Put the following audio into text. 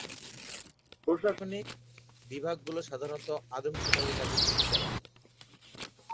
প্রশাসনিক বিভাগগুলো সাধারণত আদমশুমারীর কাজে ভূমিকা রাখে।